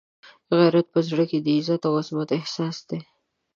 غیرت په زړه کې د عزت او عزمت احساس دی.